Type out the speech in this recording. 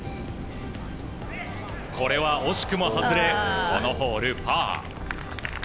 これは惜しくも外れこのホール、パー。